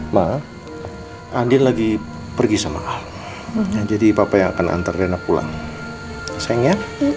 ma andin lagi pergi sama al jadi papa yang akan antar rena pulang sayangnya